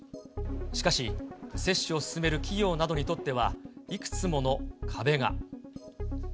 しかし、接種を進める企業などにとっては、いくつもの壁が。